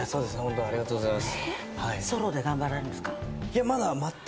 ありがとうございます。